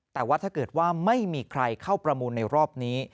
แต่ว่าถ้าเกิดว่าไม่มีใครเข้าประมูลในรอบนี้